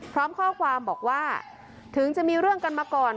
พร้อมข้อความบอกว่าถึงจะมีเรื่องกันมาก่อน